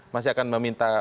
masih akan meminta